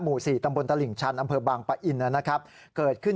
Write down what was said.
หมู่๔ตำบลตลิ่งชันอำเภอบางปะอินนะครับเกิดขึ้น